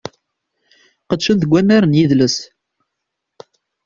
Qedcen deg unnar n yidles.